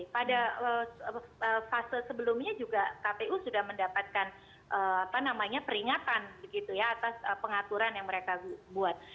pada fase sebelumnya juga kpu sudah mendapatkan peringatan atas pengaturan yang mereka buat